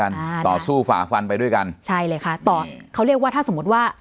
ใช่ต่อสู้ฝ่าฟันไปด้วยกันใช่เลยค่ะต่อเขาเรียกว่าถ้าสมมุติว่า